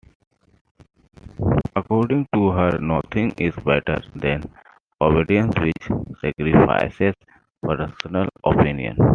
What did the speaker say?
According to her, "Nothing is better than obedience which sacrifices personal opinion".